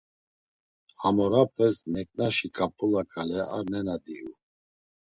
Hamorapes neǩnaşi ǩap̌ula ǩale ar nena diyu.